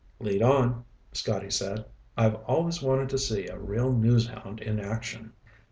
"Lead on," Scotty said. "I've always wanted to see a real news hound in action."